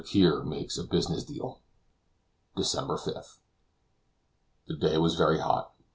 KEAR MAKES A BUSINESS DEAL DECEMBER 5. The day was very hot.